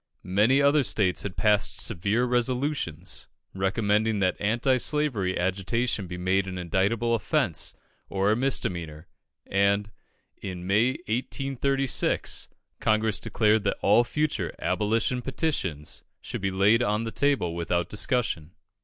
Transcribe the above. Many other states had passed severe resolutions, recommending that anti slavery agitation be made an indictable offence, or a misdemeanour; and in May, 1836, Congress declared that all future "abolition petitions" should be laid on the table without discussion.